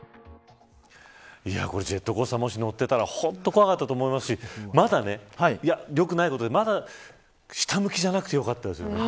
ジェットコースターもし乗っていたら本当に怖かったと思いますし良くないことですがまだ下向きじゃなくてよかったですよ。